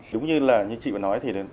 đúng như là như chị vừa nói